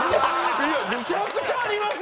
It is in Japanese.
めちゃくちゃあります！